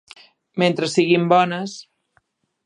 Mentre siguin bones.